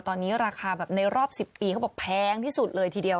ตอนนี้ราคาแบบในรอบ๑๐ปีเขาบอกแพงที่สุดเลยทีเดียว